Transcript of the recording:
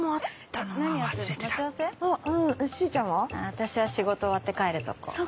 私は仕事終わって帰るとこ。